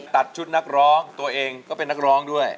ตัดชุดนักร้องตัวเองก็เป็นนักร้องด้วย